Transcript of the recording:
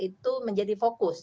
itu menjadi fokus